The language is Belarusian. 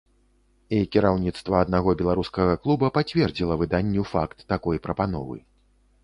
І кіраўніцтва аднаго беларускага клуба пацвердзіла выданню факт такой прапановы.